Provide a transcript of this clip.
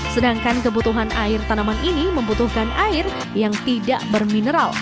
sedangkan kebutuhan air tanaman ini membutuhkan air yang tidak bermineral